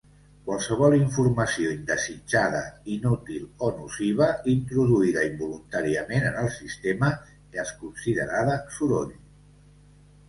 Qualsevol informació indesitjada, inútil o nociva, introduïda involuntàriament en el sistema, és considerada soroll.